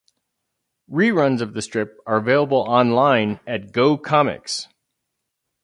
Reruns of the strip are available online at GoComics.